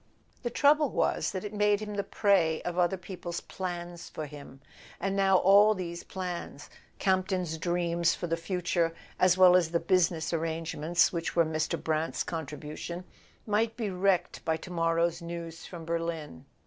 The trouble was that it made him the prey of other people's plans for him. And now all these plans—Campton's dreams for the future as well as the business arrangements which were Mr. Brant's contribution—might be wrecked by to morrow's news from Berlin.